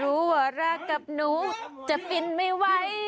รู้ว่ารักกับหนูจะฟินไม่ไหว